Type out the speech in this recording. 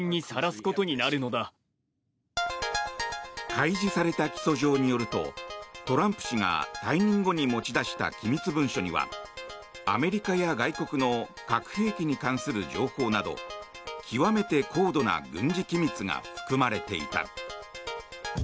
開示された起訴状によるとトランプ氏が退任後に持ち出した機密文書にはアメリカや外国の核兵器に関する情報など極めて高度な軍事機密が含まれていた。